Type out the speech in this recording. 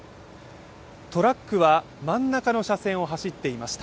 トラックは真ん中の車線を走っていました。